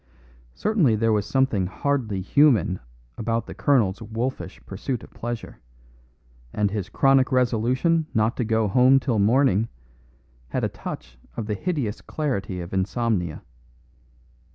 Certainly there was something hardly human about the colonel's wolfish pursuit of pleasure, and his chronic resolution not to go home till morning had a touch of the hideous clarity of insomnia.